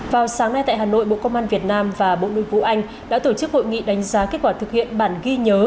vào sáng nay tại hà nội bộ công an việt nam và bộ nội vụ anh đã tổ chức hội nghị đánh giá kết quả thực hiện bản ghi nhớ